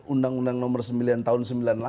undang undang nomor sembilan tahun sembilan puluh delapan